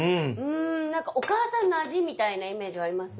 なんかお母さんの味みたいなイメージはありますね。